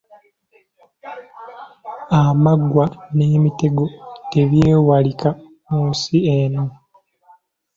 Amaggwa n’emitego tebyewalika mu nsi muno.